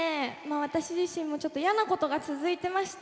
私自身もちょっと嫌なことが続いてまして。